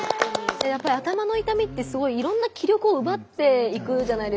やっぱり頭の痛みってすごいいろんな気力を奪っていくじゃないですか。